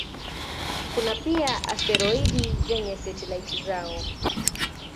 Kuna pia asteroidi zenye satelaiti zao.